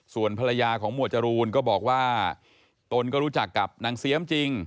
ส่วนภรรยาของหมวดจรูนก็บอกว่าตนก็รู้จักกับนางเซียมจริง